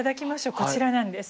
こちらなんです。